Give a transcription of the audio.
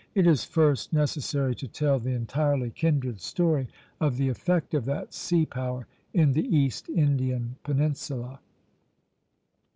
It is first necessary to tell the entirely kindred story of the effect of that sea power in the East Indian peninsula.